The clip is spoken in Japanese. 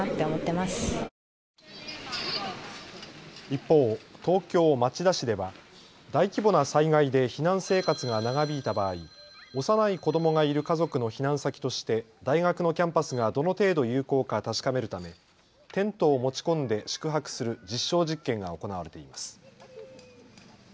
一方、東京町田市では大規模な災害で避難生活が長引いた場合、幼い子どもがいる家族の避難先として大学のキャンパスがどの程度有効か確かめるためテントを持ち込んで宿泊する実証実験が行われています。